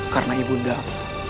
karena ibu undang